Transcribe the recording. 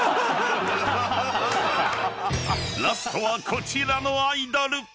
［ラストはこちらのアイドル］